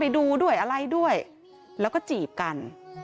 ดูด้วยอะไรด้วยแล้วก็จีบกัน